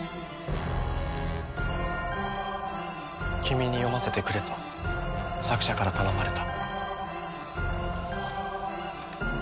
君に読ませてくれと作者から頼まれた。